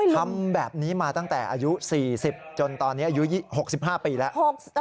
ทำแบบนี้มาตั้งแต่อายุ๔๐จนตอนนี้อายุ๖๕ปีแล้ว